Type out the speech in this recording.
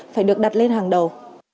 phải được đặt lên hàng đầu